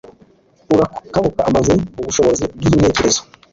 rurakabuka maze ubushobozi bw’intekerezo